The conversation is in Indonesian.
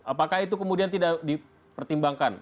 apakah itu kemudian tidak dipertimbangkan